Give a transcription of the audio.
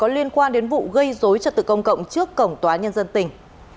liên quan đến vụ gây dối trật tự công cộng trước cổng tòa nhân dân tỉnh